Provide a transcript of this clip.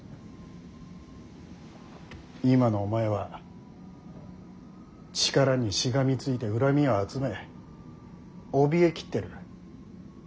今のお前は力にしがみついて恨みを集めおびえ切ってる。